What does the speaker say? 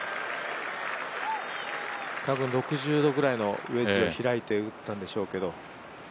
多分、６０度ぐらいのウェッジを開いて打ったんでしょうけど。